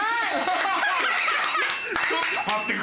ちょっと待ってくれや！